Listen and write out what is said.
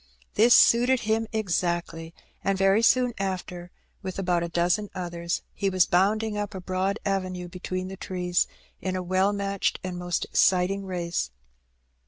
This suited him exactly, and very soon after, with about a dozen others, he was bonnding up a broad avenue between the trees, in a well matched and most exciting race.